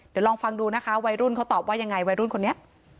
เดี๋ยวลองฟังดูนะคะวัยรุ่นเขาตอบว่ายังไงวัยรุ่นคนนี้